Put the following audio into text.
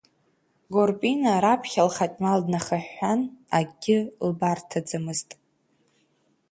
Горпина раԥхьа лхатә мал днахыҳәҳәан акгьы лбарҭаӡамызт.